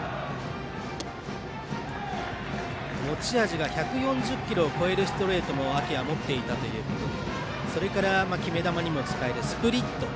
持ち味が１４０キロを超えるストレートも秋は持っていたということでそれから、決め球にも使えるスプリット